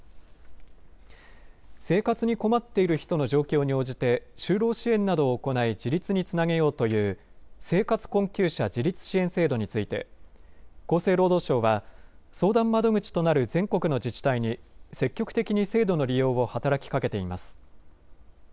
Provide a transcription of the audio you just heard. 生活に困っている人の状況に応じて就労支援などを行い自立につなげようという生活困窮者自立支援制度について厚生労働省は相談窓口となる全国の自治体に積極的に制度の利用を働きかけています。